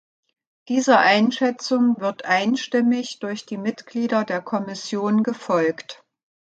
Dieser Einschätzung wird einstimmig durch die Mitglieder der Kommission gefolgt.